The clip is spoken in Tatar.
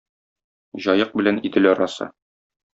Җаек белән Идел арасы.